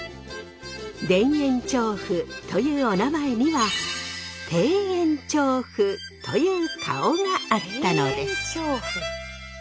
田園調布というおなまえにはという顔があったのです。